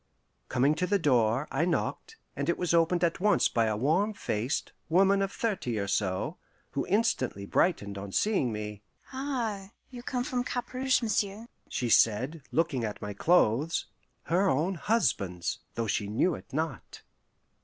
Coming to the door, I knocked, and it was opened at once by a warm faced, woman of thirty or so, who instantly brightened on seeing me. "Ah, you come from Cap Rouge, m'sieu'," she said, looking at my clothes her own husband's, though she knew it not.